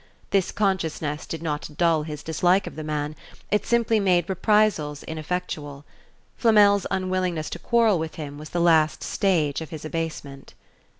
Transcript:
This consciousness did not dull his dislike of the man; it simply made reprisals ineffectual. Flamel's unwillingness to quarrel with him was the last stage of his abasement.